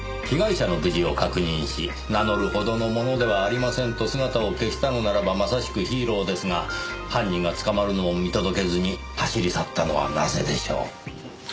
被害者の無事を確認し名乗るほどの者ではありませんと姿を消したのならばまさしくヒーローですが犯人が捕まるのを見届けずに走り去ったのはなぜでしょう？